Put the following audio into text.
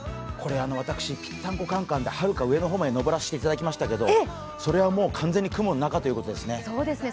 私、「ぴったんこカン・カン」ではるか上の方まで上らせてもらいましたけどそれはもう完全に雲の中ということですね。